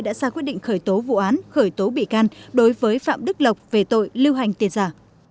đã ra quyết định khởi tố vụ án khởi tố bị can đối với phạm đức lộc về tội lưu hành tiền giả